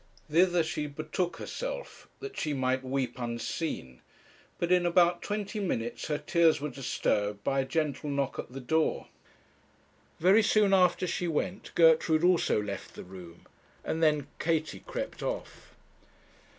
Thither she betook herself, that she might weep unseen; but in about twenty minutes her tears were disturbed by a gentle knock at the door. Very soon after she went, Gertrude also left the room, and then Katie crept off.